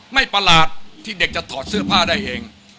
ประหลาดที่เด็กจะถอดเสื้อผ้าได้เอง